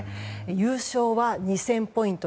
優勝は２０００ポイント